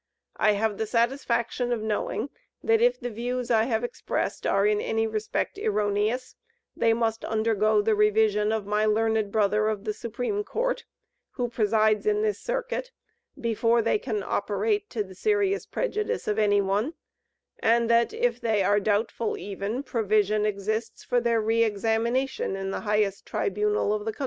I have the satisfaction of knowing, that if the views I have expressed are in any respect erroneous, they must undergo the revision of my learned brother of the Supreme Court, who presides in this Circuit, before they can operate to the serious prejudice of any one; and that if they are doubtful even, provision exists for their re examination in the highest tribunal of the country."